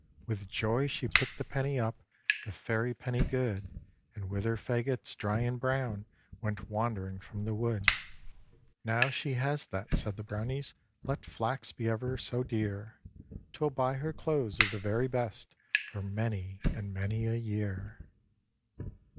With joy she picked the penny up, The Fairy penny good; And with her fagots dry and brown Went wandering from the wood. "Now she has that," said the Brownies, "Let flax be ever so dear, 'Twill buy her clothes of the very best, For many and many a year."